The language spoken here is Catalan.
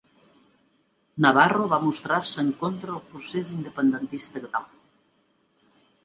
Navarro va mostrar-se en contra el procés independentista català.